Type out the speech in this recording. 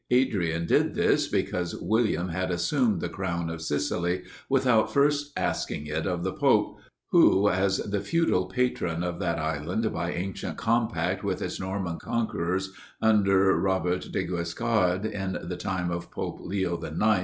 Adrian did this because William had assumed the crown of Sicily without first asking it of the pope, who, as the feudal patron of that island by ancient compact with its Norman conquerors under Robert de Guiscard, in the time of Pope Leo IX.